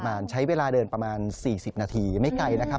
ใช้เวลาเดินประมาณ๔๐นาทีไม่ไกลนะครับ